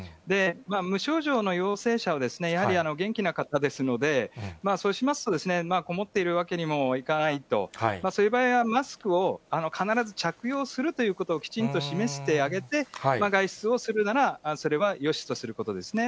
無症状の陽性者を、やはり元気な方ですので、そうしますと、籠もっているわけにもいかないと、そういう場合はマスクを必ず着用するということをきちんと示してあげて、外出をするならそれはよしとすることですね。